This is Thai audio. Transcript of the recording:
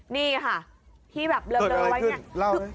นี่ค่ะที่แบบเริ่มเริ่มไว้เนี่ย